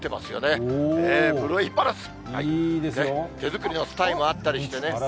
手作りのスタイもあったりしてね。